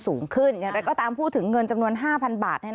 เพิ่มสูงขึ้นและก็ตามพูดถึงเงินจำนวน๕๐๐๐บาท